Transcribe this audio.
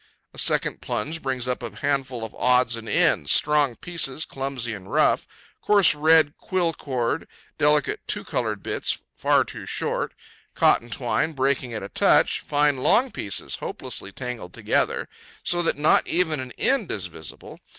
A second plunge brings up a handful of odds and ends, strong pieces clumsy and rough, coarse red quill cord, delicate two colored bits far too short, cotton twine breaking at a touch, fine long pieces hopelessly tangled together, so that not even an end is visible.